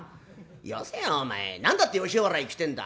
よせよお前何だって吉原行きてえんだ？」。